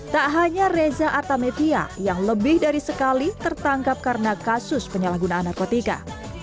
tak hanya reza artamevia yang lebih dari sekali tertangkap karena kasus penyalahgunaan narkotika